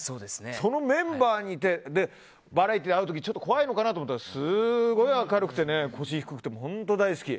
そのメンバーでバラエティーで会う時にちょっと怖いかなと思ったらすごい明るくて腰が低くて本当に大好き。